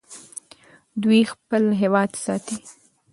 دوی خپل هېواد ساتي.